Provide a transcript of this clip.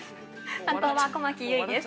担当は、駒木結衣です。